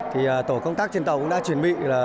thì tổ công tác trên tàu cũng đã chuẩn bị